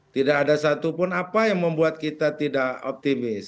tidak ada satupun apa yang membuat kita tidak optimis